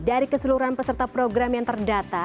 dari keseluruhan peserta program yang terdata